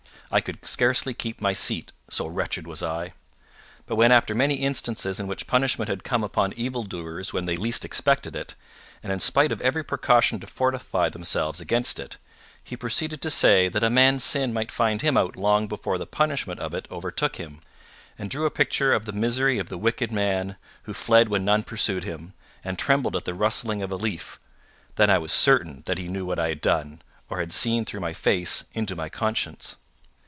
I could scarcely keep my seat, so wretched was I. But when after many instances in which punishment had come upon evil doers when they least expected it, and in spite of every precaution to fortify themselves against it, he proceeded to say that a man's sin might find him out long before the punishment of it overtook him, and drew a picture of the misery of the wicked man who fled when none pursued him, and trembled at the rustling of a leaf, then I was certain that he knew what I had done, or had seen through my face into my conscience.